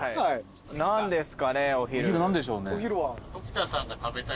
何ですかねお昼。